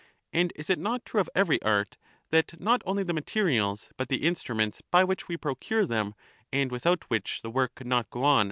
And is it not tru. ery art, that not only the materials but the instruments by which we procure them and without which the work could not go on.